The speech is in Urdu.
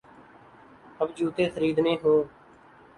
اب جوتے خریدنے ہوں۔